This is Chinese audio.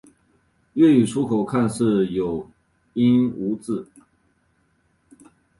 粤语粗口看似有音无字。